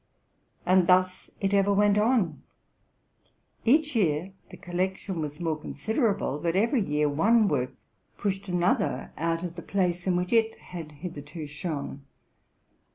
And thus it ever went on. Each year the collection was more considerable, but every year one work pushed another out of the place in which it had hitherto shone.